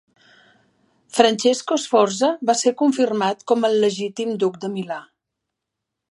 Francesco Sforza va ser confirmat com el legítim duc de Milà.